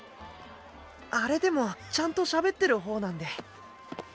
あれでもちゃんとしゃべってる方なんで。